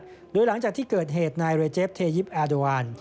โดยหลังจากที่เกิดเหตุนายเรเจฟเทยิปแอดวาน